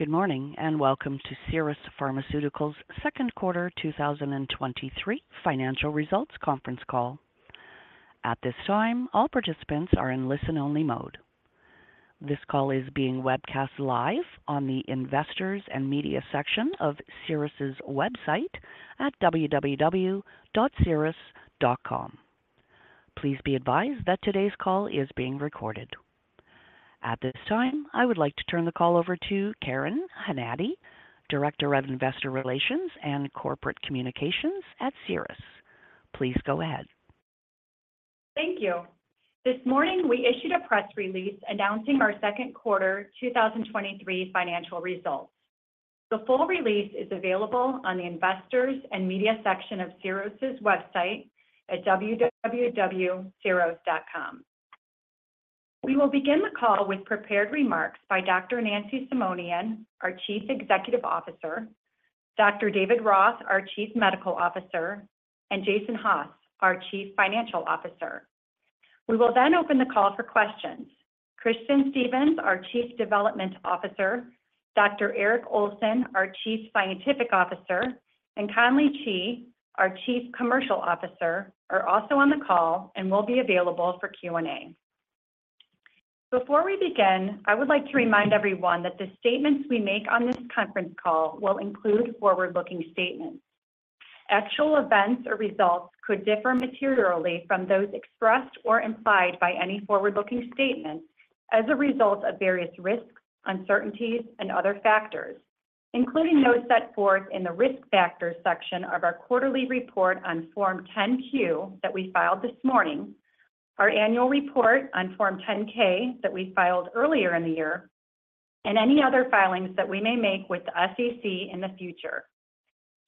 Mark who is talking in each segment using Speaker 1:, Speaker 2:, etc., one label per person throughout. Speaker 1: Good morning, welcome to Syros Pharmaceuticals' second quarter 2023 financial results conference call. At this time, all participants are in listen-only mode. This call is being webcast live on the Investors and Media section of Syros's website at www.syros.com. Please be advised that today's call is being recorded. At this time, I would like to turn the call over to Karen Hunady, Director of Investor Relations and Corporate Communications at Syros. Please go ahead.
Speaker 2: Thank you. This morning, we issued a press release announcing our second quarter 2023 financial results. The full release is available on the Investors and Media section of Syros's website at www.syros.com. We will begin the call with prepared remarks by Dr. Nancy Simonian, our Chief Executive Officer, Dr. David Roth, our Chief Medical Officer, and Jason Haas, our Chief Financial Officer. We will then open the call for questions. Kristin Stephens, our Chief Development Officer, Dr. Eric Olson, our Chief Scientific Officer, and Conley Chee, our Chief Commercial Officer, are also on the call and will be available for Q&A. Before we begin, I would like to remind everyone that the statements we make on this conference call will include forward-looking statements. Actual events or results could differ materially from those expressed or implied by any forward-looking statements as a result of various risks, uncertainties, and other factors, including those set forth in the Risk Factors section of our quarterly report on Form 10-Q that we filed this morning, our annual report on Form 10-K that we filed earlier in the year, and any other filings that we may make with the SEC in the future.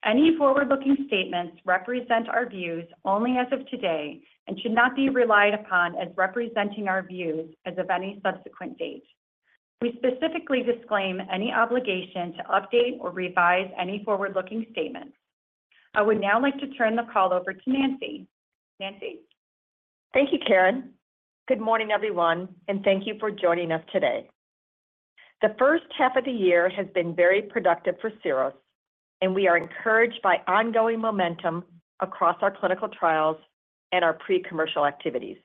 Speaker 2: Any forward-looking statements represent our views only as of today and should not be relied upon as representing our views as of any subsequent date. We specifically disclaim any obligation to update or revise any forward-looking statements. I would now like to turn the call over to Nancy. Nancy?
Speaker 3: Thank you, Karen. Good morning, everyone, and thank you for joining us today. The first half of the year has been very productive for Syros, and we are encouraged by ongoing momentum across our clinical trials and our pre-commercial activities.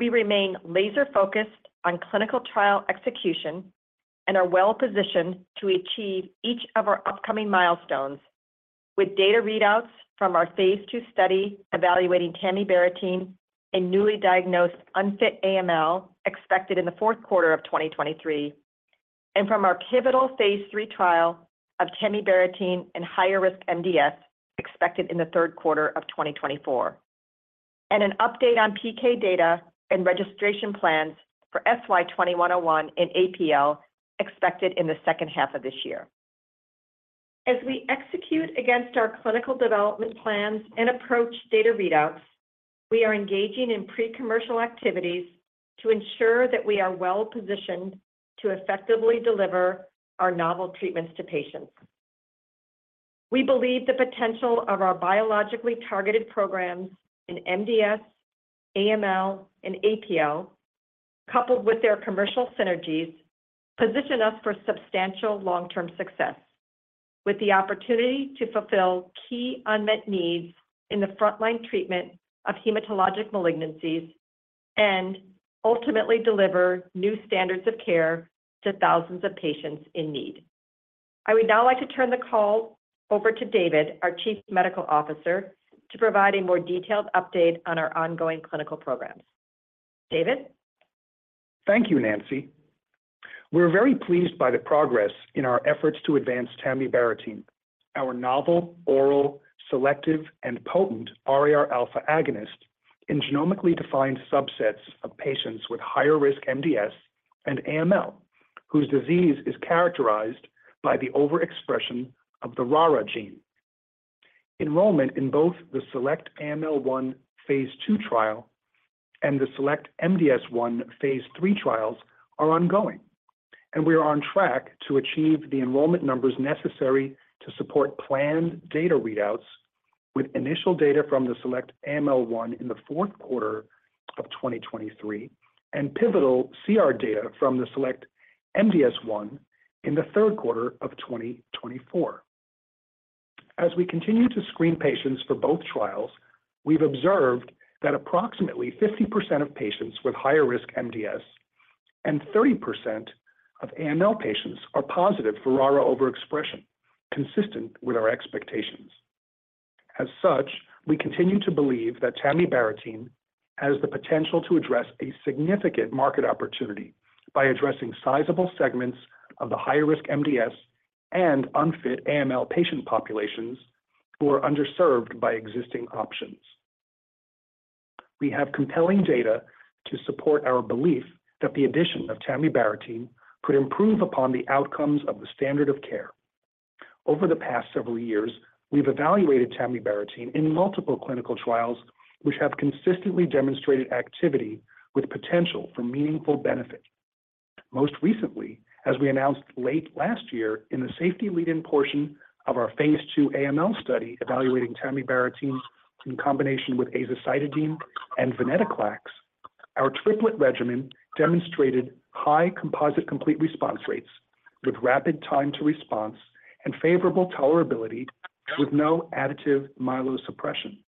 Speaker 3: We remain laser-focused on clinical trial execution and are well-positioned to achieve each of our upcoming milestones with data readouts from our phase II study evaluating tamibarotene in newly diagnosed unfit AML, expected in the fourth quarter of 2023, and from our pivotal phase III trial of tamibarotene in higher risk MDS, expected in the third quarter of 2024. An update on PK data and registration plans for SY-2101 in APL, expected in the second half of this year. As we execute against our clinical development plans and approach data readouts, we are engaging in pre-commercial activities to ensure that we are well-positioned to effectively deliver our novel treatments to patients. We believe the potential of our biologically targeted programs in MDS, AML, and APL, coupled with their commercial synergies, position us for substantial long-term success, with the opportunity to fulfill key unmet needs in the frontline treatment of hematologic malignancies and ultimately deliver new standards of care to thousands of patients in need. I would now like to turn the call over to David, our Chief Medical Officer, to provide a more detailed update on our ongoing clinical programs. David?
Speaker 4: Thank you, Nancy. We're very pleased by the progress in our efforts to advance tamibarotene, our novel, oral, selective, and potent RAR alpha agonist in genomically defined subsets of patients with higher-risk MDS and AML, whose disease is characterized by the overexpression of the RARA gene. Enrollment in both the SELECT-AML-1, phase II trial and the SELECT-MDS-1, phase III trials are ongoing. We are on track to achieve the enrollment numbers necessary to support planned data readouts, with initial data from the SELECT-AML-1 in the fourth quarter of 2023, and pivotal CR data from the SELECT-MDS-1 in the third quarter of 2024. As we continue to screen patients for both trials, we've observed that approximately 50% of patients with higher-risk MDS and 30% of AML patients are positive for RARA overexpression, consistent with our expectations. As such, we continue to believe that tamibarotene has the potential to address a significant market opportunity by addressing sizable segments of the higher-risk MDS and unfit AML patient populations who are underserved by existing options. We have compelling data to support our belief that the addition of tamibarotene could improve upon the outcomes of the standard of care. Over the past several years, we've evaluated tamibarotene in multiple clinical trials, which have consistently demonstrated activity with potential for meaningful benefit. Most recently, as we announced late last year in the safety lead-in portion of our phase II AML study, evaluating tamibarotene in combination with azacitidine and venetoclax-... Our triplet regimen demonstrated high composite complete response rates with rapid time to response and favorable tolerability, with no additive myelosuppression.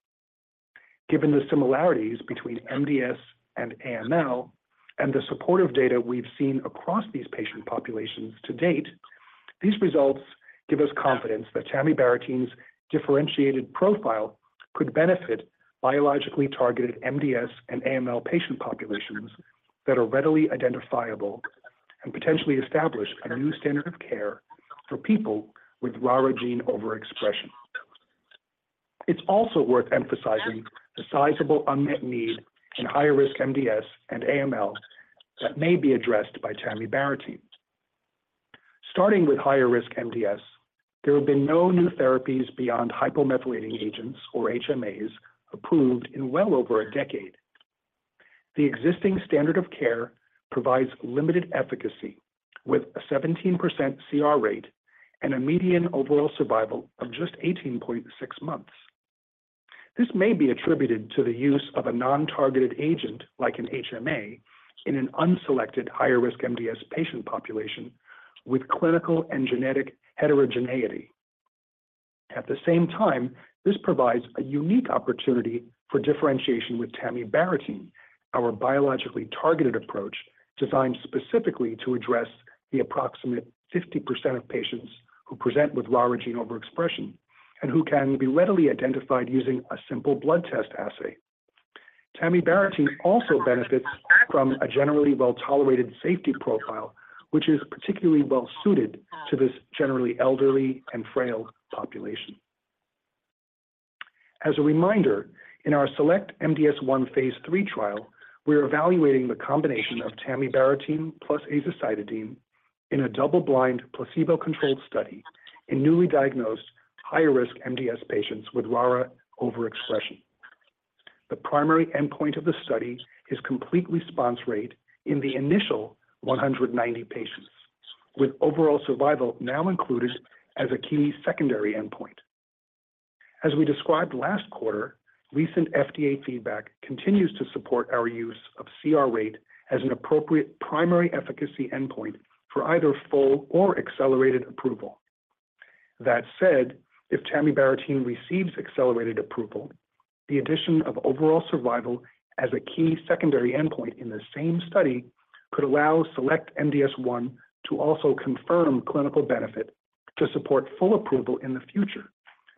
Speaker 4: Given the similarities between MDS and AML, and the supportive data we've seen across these patient populations to date, these results give us confidence that tamibarotene's differentiated profile could benefit biologically targeted MDS and AML patient populations that are readily identifiable and potentially establish a new standard of care for people with RARα gene overexpression. It's also worth emphasizing the sizable unmet need in high-risk MDS and AML that may be addressed by tamibarotene. Starting with higher-risk MDS, there have been no new therapies beyond hypomethylating agents, or HMAs, approved in well over a decade. The existing standard of care provides limited efficacy, with a 17% CR rate and a median overall survival of just 18.6 months. This may be attributed to the use of a non-targeted agent, like an HMA, in an unselected higher-risk MDS patient population with clinical and genetic heterogeneity. At the same time, this provides a unique opportunity for differentiation with tamibarotene, our biologically targeted approach designed specifically to address the approximate 50% of patients who present with RARα gene overexpression and who can be readily identified using a simple blood test assay. Tamibarotene also benefits from a generally well-tolerated safety profile, which is particularly well-suited to this generally elderly and frail population. As a reminder, in our SELECT-MDS-1 Phase III trial, we are evaluating the combination of tamibarotene plus azacitidine in a double-blind, placebo-controlled study in newly diagnosed higher-risk MDS patients with RARα overexpression. The primary endpoint of the study is complete response rate in the initial 190 patients, with overall survival now included as a key secondary endpoint. As we described last quarter, recent FDA feedback continues to support our use of CR rate as an appropriate primary efficacy endpoint for either full or accelerated approval. That said, if tamibarotene receives accelerated approval, the addition of overall survival as a key secondary endpoint in the same study could allow SELECT-MDS-1 to also confirm clinical benefit to support full approval in the future,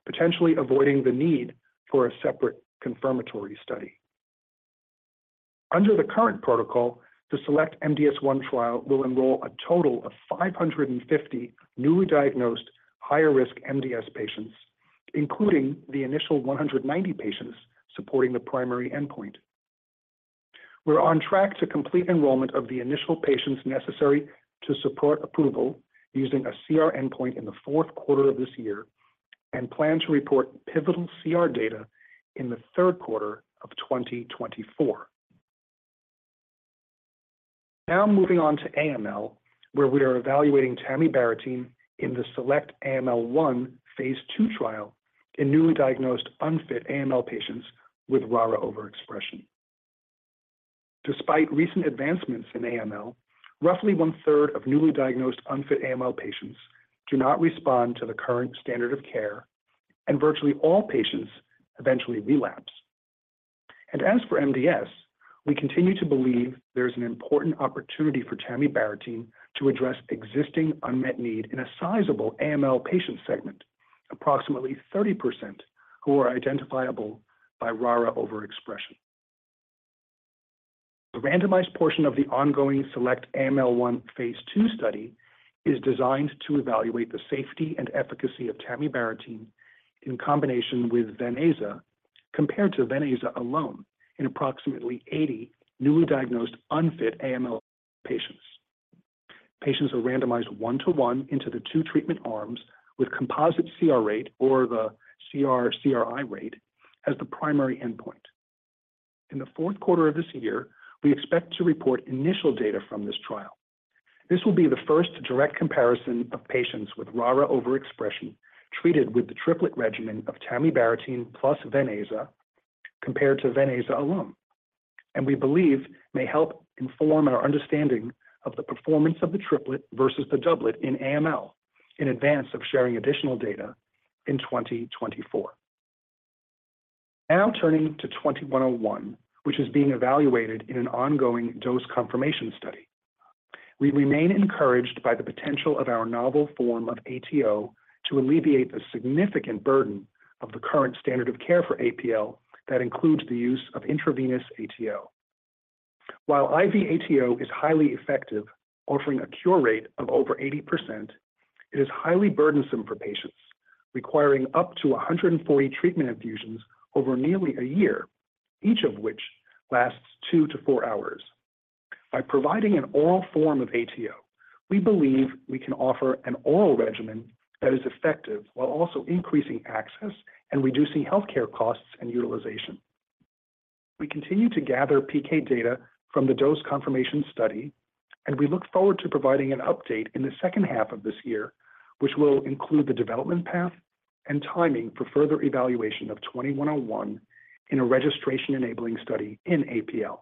Speaker 4: potentially avoiding the need for a separate confirmatory study. Under the current protocol, the SELECT-MDS-1 trial will enroll a total of 550 newly diagnosed higher-risk MDS patients, including the initial 190 patients supporting the primary endpoint. We're on track to complete enrollment of the initial patients necessary to support approval using a CR endpoint in the fourth quarter of this year and plan to report pivotal CR data in the third quarter of 2024. Now moving on to AML, where we are evaluating tamibarotene in the SELECT-AML-1 phase II trial in newly diagnosed unfit AML patients with RARα overexpression. Despite recent advancements in AML, roughly 1/3 of newly diagnosed unfit AML patients do not respond to the current standard of care. Virtually all patients eventually relapse. As for MDS, we continue to believe there is an important opportunity for tamibarotene to address existing unmet need in a sizable AML patient segment, approximately 30%, who are identifiable by RARα overexpression. The randomized portion of the ongoing SELECT-AML-1 phase II study is designed to evaluate the safety and efficacy of tamibarotene in combination with venetoclax, compared to venetoclax alone in approximately 80 newly diagnosed unfit AML patients. Patients are randomized 1-to-1 into the two treatment arms, with composite CR rate or the CR/CRI rate as the primary endpoint. In the 4th quarter of this year, we expect to report initial data from this trial. This will be the first direct comparison of patients with RARα overexpression treated with the triplet regimen of tamibarotene plus venetoclax compared to venetoclax alone, and we believe may help inform our understanding of the performance of the triplet versus the doublet in AML in advance of sharing additional data in 2024. Now turning to SY-2101, which is being evaluated in an ongoing dose confirmation study. We remain encouraged by the potential of our novel form of ATO to alleviate the significant burden of the current standard of care for APL that includes the use of intravenous ATO. While IV ATO is highly effective, offering a cure rate of over 80%, it is highly burdensome for patients, requiring up to 140 treatment infusions over nearly a year, each of which lasts 2-4 hours. By providing an oral form of ATO, we believe we can offer an oral regimen that is effective while also increasing access and reducing healthcare costs and utilization. We continue to gather PK data from the dose confirmation study, and we look forward to providing an update in the second half of this year, which will include the development path... and timing for further evaluation of SY-2101 in a registration-enabling study in APL.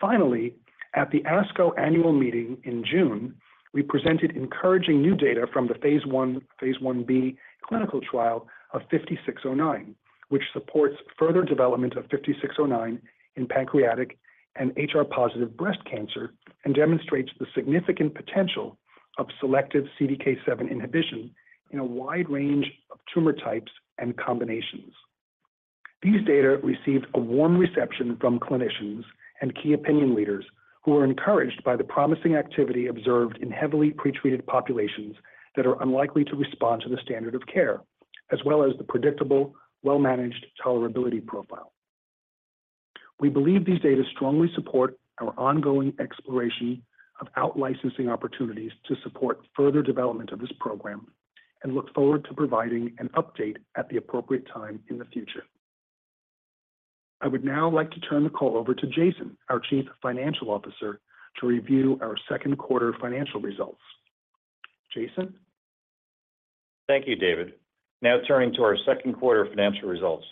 Speaker 4: Finally, at the ASCO annual meeting in June, we presented encouraging new data from the phase I, phase I-B clinical trial of SY-5609, which supports further development of SY-5609 in pancreatic and HR-positive breast cancer, and demonstrates the significant potential of selective CDK7 inhibition in a wide range of tumor types and combinations. These data received a warm reception from clinicians and key opinion leaders, who were encouraged by the promising activity observed in heavily pretreated populations that are unlikely to respond to the standard of care, as well as the predictable, well-managed tolerability profile. We believe these data strongly support our ongoing exploration of out-licensing opportunities to support further development of this program and look forward to providing an update at the appropriate time in the future. I would now like to turn the call over to Jason, our Chief Financial Officer, to review our second quarter financial results. Jason?
Speaker 5: Thank you, David. Now turning to our second quarter financial results.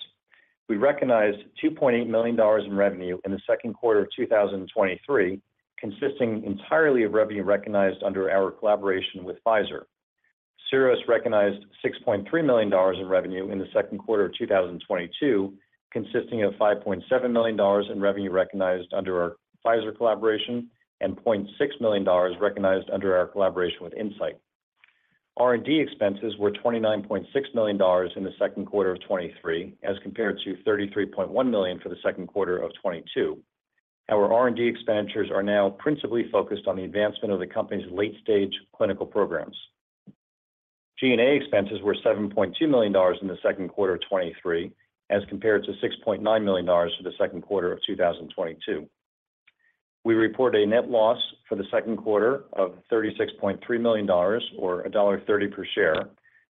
Speaker 5: We recognized $2.8 million in revenue in the second quarter of 2023, consisting entirely of revenue recognized under our collaboration with Pfizer. Syros recognized $6.3 million in revenue in the second quarter of 2022, consisting of $5.7 million in revenue recognized under our Pfizer collaboration and $0.6 million recognized under our collaboration with Incyte. R&D expenses were $29.6 million in the second quarter of 2023, as compared to $33.1 million for the second quarter of 2022. Our R&D expenditures are now principally focused on the advancement of the company's late-stage clinical programs. G&A expenses were $7.2 million in the second quarter of 2023, as compared to $6.9 million for the second quarter of 2022. We report a net loss for the second quarter of $36.3 million, or $1.30 per share,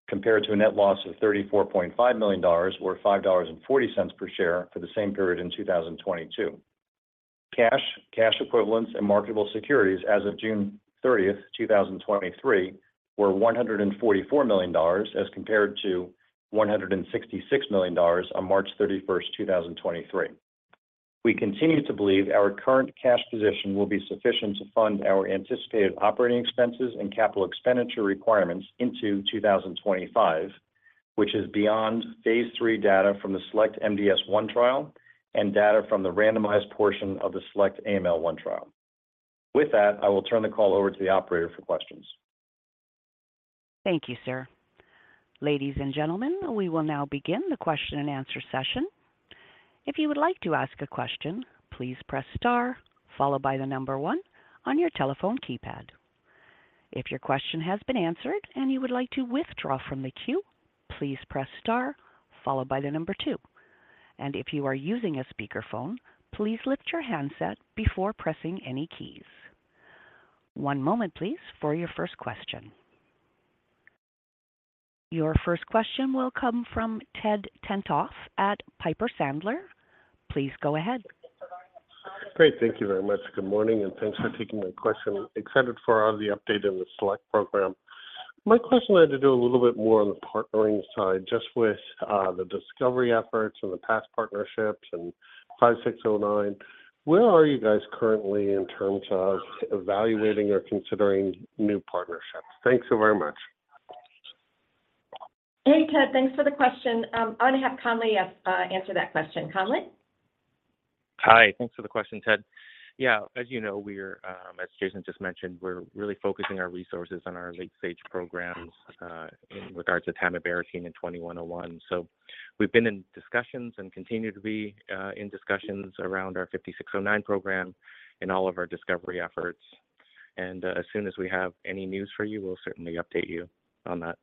Speaker 5: compared to a net loss of $34.5 million, or $5.40 per share, for the same period in 2022. Cash, cash equivalents, and marketable securities as of June 30th, 2023, were $144 million, as compared to $166 million on March 31st, 2023. We continue to believe our current cash position will be sufficient to fund our anticipated operating expenses and capital expenditure requirements into 2025, which is beyond phase III data from the SELECT-MDS-1 trial and data from the randomized portion of the SELECT-AML-1 trial. With that, I will turn the call over to the operator for questions.
Speaker 1: Thank you, sir. Ladies and gentlemen, we will now begin the question-and-answer session. If you would like to ask a question, please press star followed by the number one on your telephone keypad. If your question has been answered and you would like to withdraw from the queue, please press star followed by the number two. If you are using a speakerphone, please lift your handset before pressing any keys. One moment, please, for your first question. Your first question will come from Ted Tenthoff at Piper Sandler. Please go ahead.
Speaker 6: Great. Thank you very much. Good morning, and thanks for taking my question. Excited for all the update in the SELECT program. My question had to do a little bit more on the partnering side, just with the discovery efforts and the past partnerships and SY-5609. Where are you guys currently in terms of evaluating or considering new partnerships? Thanks so very much.
Speaker 3: Hey, Ted. Thanks for the question. I'm going to have Conley answer that question. Conley?
Speaker 4: Hi, thanks for the question, Ted. Yeah, as you know, we're, as Jason just mentioned, we're really focusing our resources on our late-stage programs in regards to tamibarotene and SY-2101. We've been in discussions and continue to be in discussions around our SY-5609 program and all of our discovery efforts. As soon as we have any news for you, we'll certainly update you on that.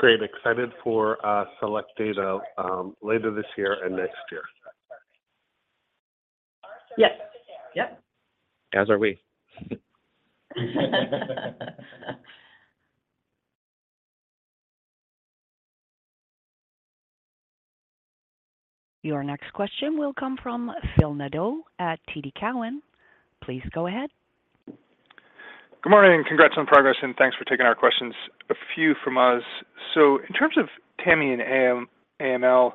Speaker 6: Great. Excited for, SELECT data, later this year and next year.
Speaker 3: Yes. Yep.
Speaker 4: As are we.
Speaker 1: Your next question will come from Phil Nadeau at TD Cowen. Please go ahead.
Speaker 7: Good morning. Congrats on progress, and thanks for taking our questions. A few from us. In terms of TAMI and AML,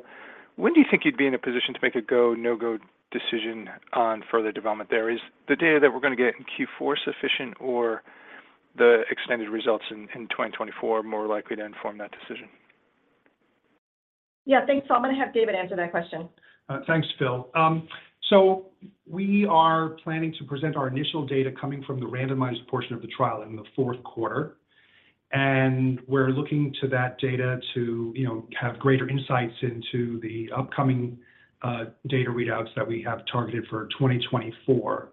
Speaker 7: when do you think you'd be in a position to make a go, no-go decision on further development there? Is the data that we're going to get in Q4 sufficient, or the extended results in 2024 more likely to inform that decision?
Speaker 3: Yeah, thanks. I'm going to have David answer that question.
Speaker 4: Thanks, Phil. We are planning to present our initial data coming from the randomized portion of the trial in the fourth quarter, and we're looking to that data to, you know, have greater insights into the upcoming data readouts that we have targeted for 2024.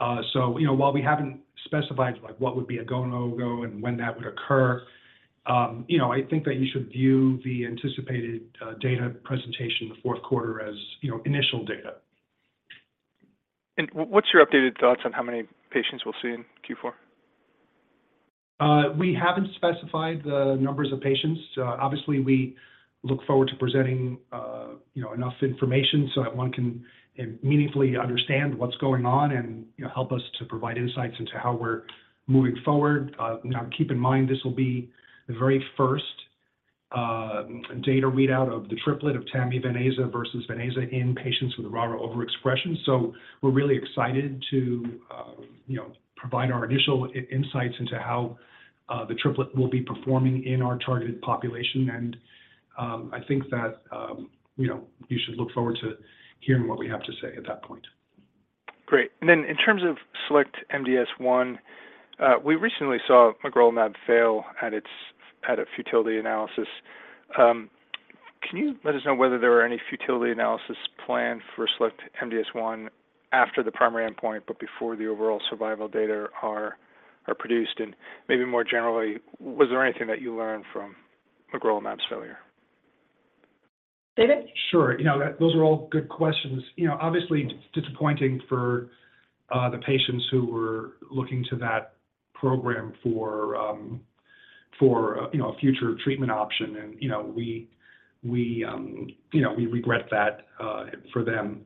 Speaker 4: You know, while we haven't specified, like, what would be a go, no-go and when that would occur, you know, I think that you should view the anticipated data presentation in the fourth quarter as, you know, initial data. What's your updated thoughts on how many patients we'll see in Q4? We haven't specified the numbers of patients. Obviously, we look forward to presenting, you know, enough information so that one can meaningfully understand what's going on and, you know, help us to provide insights into how we're moving forward. Now, keep in mind, this will be the very first data readout of the triplet of tami/ven/aza versus ven/aza in patients with RARα overexpression. We're really excited to, you know, provide our initial insights into how the triplet will be performing in our targeted population. I think that, you know, you should look forward to hearing what we have to say at that point.
Speaker 7: Great. Then in terms of SELECT-MDS-1, we recently saw magrolimab fail at a futility analysis. Can you let us know whether there were any futility analysis planned for SELECT-MDS-1 after the primary endpoint, but before the overall survival data are produced? Maybe more generally, was there anything that you learned from magrolimab's failure?
Speaker 8: David?
Speaker 4: Sure. You know, those are all good questions. You know, obviously disappointing for the patients who were looking to that program for, for, you know, a future treatment option. You know, we, we, you know, we regret that for them.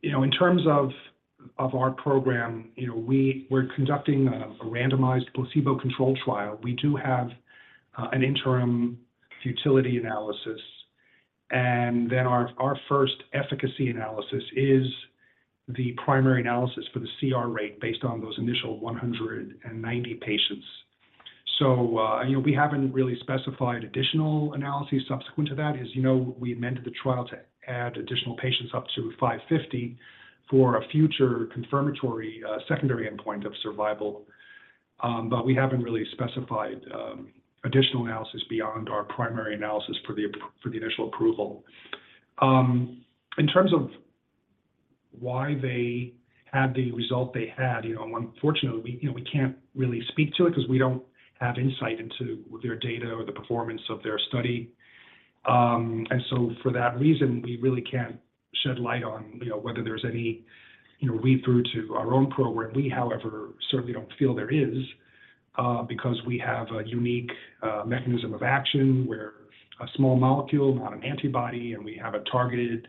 Speaker 4: You know, in terms of, of our program, you know, we we're conducting a randomized placebo-controlled trial. We do have an interim futility analysis, and then our, our first efficacy analysis is the primary analysis for the CR rate based on those initial 190 patients. You know, we haven't really specified additional analyses subsequent to that. As you know, we amended the trial to add additional patients up to 550 for a future confirmatory secondary endpoint of survival. We haven't really specified additional analysis beyond our primary analysis for the ap-- for the initial approval. In terms of why they had the result they had, you know, unfortunately, we, you know, we can't really speak to it 'cause we don't have insight into their data or the performance of their study. For that reason, we really can't shed light on, you know, whether there's any, you know, read-through to our own program. We, however, certainly don't feel there is because we have a unique mechanism of action where a small molecule, not an antibody, and we have a targeted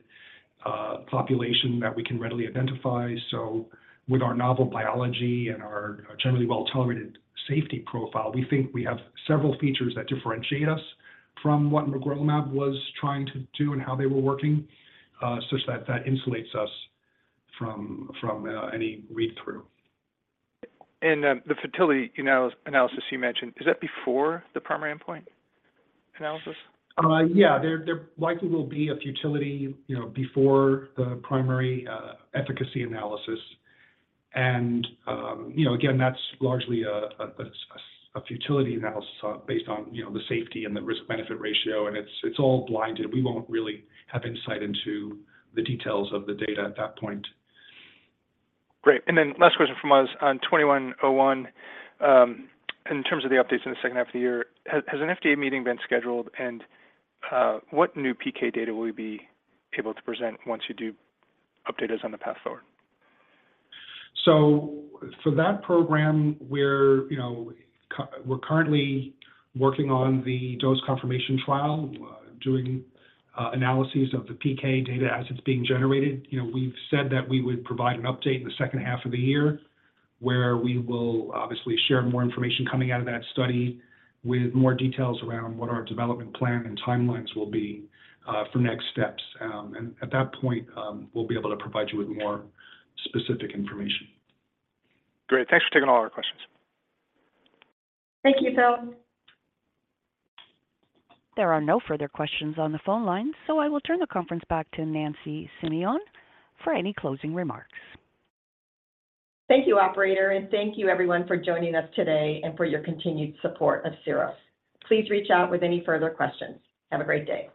Speaker 4: population that we can readily identify. With our novel biology and our generally well-tolerated safety profile, we think we have several features that differentiate us from what magrolimab was trying to do and how they were working, such that that insulates us from any read-through.
Speaker 7: The futility analysis you mentioned, is that before the primary endpoint analysis?
Speaker 4: Yeah. There, there likely will be a futility, you know, before the primary efficacy analysis. You know, again, that's largely a futility analysis, based on, you know, the safety and the risk-benefit ratio, and it's, it's all blinded. We won't really have insight into the details of the data at that point.
Speaker 7: Great. Then last question from us on SY-2101. In terms of the updates in the second half of the year, has an FDA meeting been scheduled? What new PK data will you be able to present once you do update us on the path forward?
Speaker 4: For that program, we're, you know, we're currently working on the dose confirmation trial, doing analyses of the PK data as it's being generated. You know, we've said that we would provide an update in the second half of the year, where we will obviously share more information coming out of that study, with more details around what our development plan and timelines will be for next steps. At that point, we'll be able to provide you with more specific information.
Speaker 7: Great. Thanks for taking all our questions.
Speaker 8: Thank you, Phil.
Speaker 1: There are no further questions on the phone line. I will turn the conference back to Nancy Simonian for any closing remarks.
Speaker 8: Thank you, operator. Thank you everyone for joining us today and for your continued support of Syros. Please reach out with any further questions. Have a great day.